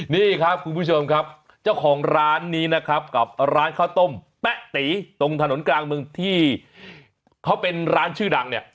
นี่ครับคุณผู้ชมครับเจ้าของร้านนี้นะครับกับร้านข้าวต้มแป๊ะตีตรงถนนกลางเมืองที่เขาเป็นร้านชื่อดังเนี่ย